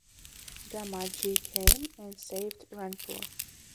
Damaji came and saved Ranpur.